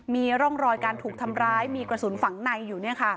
มีร่องรอยการถูกทำร้ายมีกระสุนฝังในอยู่